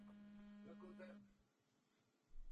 Ten zde vystupuje jako oxidační činidlo.